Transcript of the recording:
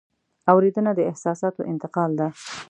اورېدنه د احساساتو انتقال ده.